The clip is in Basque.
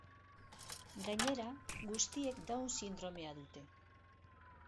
Gainera, guztiek down sindromea dute.